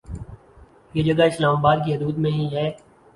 یہ جگہ اسلام آباد کی حدود میں ہی ہے